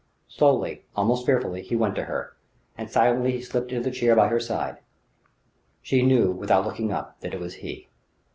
Slowly, almost fearfully, he went to her, and silently he slipped into the chair by her side. She knew, without looking up, that it was he....